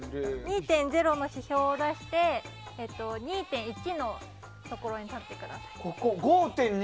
２．０の表を出して２．１のところに立ってください。